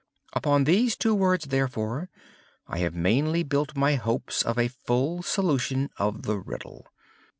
Upon these two words, therefore, I have mainly built my hopes of a full solution of the riddle.